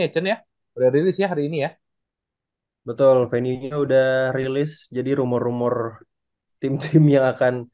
action ya udah rilis ya hari ini ya betul venue nya udah rilis jadi rumor rumor tim tim yang akan